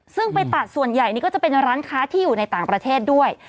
ซึ่งไปตัดส่วนใหญ่นี่ก็จะเป็นร้านค้าที่อยู่ในต่างประเทศด้วย